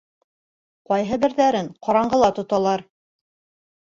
Ҡайһы берҙәрен ҡараңғыла тоталар.